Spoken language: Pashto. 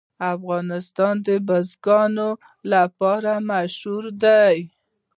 افغانستان د بزګان لپاره مشهور دی.